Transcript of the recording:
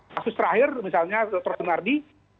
kasus terakhir misalnya dr nardi